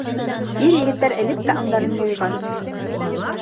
Ир-егеттәр элек тә аңдарын юйған.